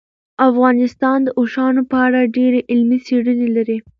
افغانستان د اوښانو په اړه ډېرې علمي څېړنې لري.